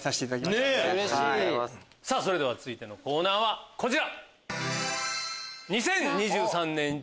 それでは続いてのコーナーはこちら！